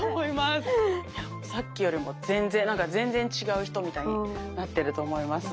さっきよりも全然なんか全然違う人みたいになってると思いますので。